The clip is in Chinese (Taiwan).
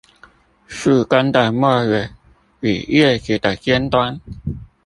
樹根的末尾與葉子的尖端